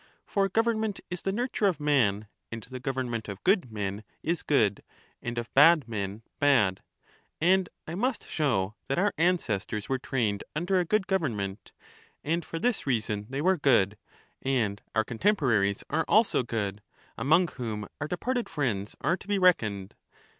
For government is the nurture of man, and the government of good men is good, and of bad men bad. And I must show that our ancestors We have a were trained under a good government, and for this reason good goyeru" 0 ° ment, which they were good, and our contemporaries are also good, among is sometimes whom our departed friends are to be reckoned.